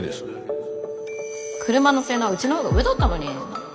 車の性能はうちのほうが上だったのに。